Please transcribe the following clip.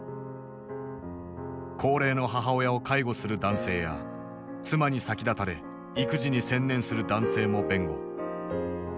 高齢の母親を介護する男性や妻に先立たれ育児に専念する男性も弁護。